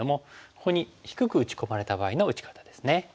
ここに低く打ち込まれた場合の打ち方ですね。